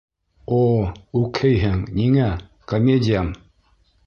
О, үкһейһең ниңә, комедиям?